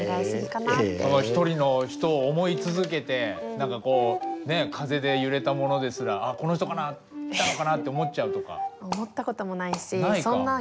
ひとりの人を想い続けて何かこうね風で揺れたものですら「あっこの人かな来たのかな？」って思っちゃうとか。